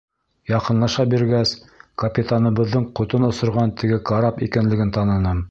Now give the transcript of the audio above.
Яҡынлаша биргәс, капитаныбыҙҙың ҡотон осорған теге карап икәнлеген таныным.